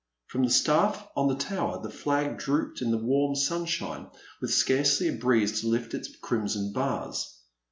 From the staflF on the tower the flag drooped in the warm sunshine with scarcely a breeze to lift its crimson bars.